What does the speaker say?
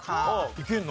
いけるの？